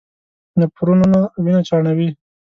نفرونونه وینه چاڼوي.